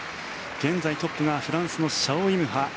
現在トップがフランスのシャオ・イム・ファ。